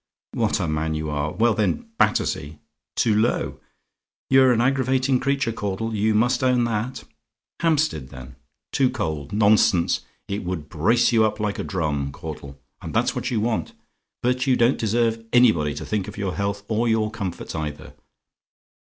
"What a man you are! Well, then Battersea? "TOO LOW? "You're an aggravating creature, Caudle, you must own that! Hampstead, then? "TOO COLD? "Nonsense; it would brace you up like a drum, Caudle; and that's what you want. But you don't deserve anybody to think of your health or your comforts either.